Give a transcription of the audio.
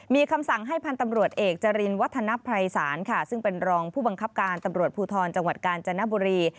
มีคำสั่งให้พันธ์ตำรวจเอกจรินวัฒนภัยศาลค่ะซึ่งเป็นรองผู้บังคับการตำรวจภูทรจังหวัดกาญจนบุรี